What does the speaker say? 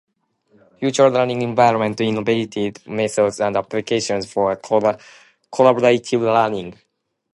Future Learning Environment - Innovative Methods and Applications for Collaborative Learning.